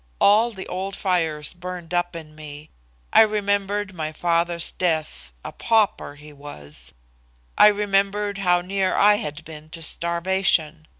All the old fires burned up in me. I remembered my father's death a pauper he was. I remembered how near I had been to starvation.